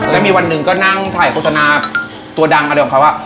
แล้วมีวันหนึ่งก็นั่งถ่ายโฆษณาตัวดังอะไรของเขา